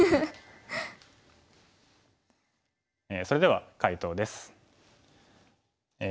それでは解答です。